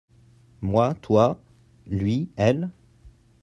Moi/Toi. Lui/Elle.